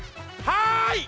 はい！